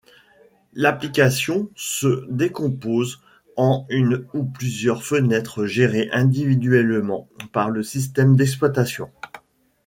L'application se décompose en une ou plusieurs fenêtres gérées individuellement par le système d'exploitation.